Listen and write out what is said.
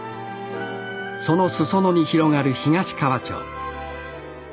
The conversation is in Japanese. その裾野に広がる東川町。